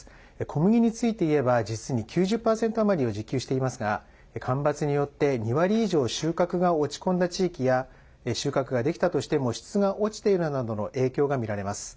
小麦についていえば実に９０％余りを自給していますが干ばつによって２割以上収穫が落ち込んだ地域や収穫ができたとしても質が落ちているなどの影響がみられます。